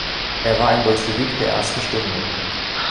Er war ein Bolschewik der ersten Stunde.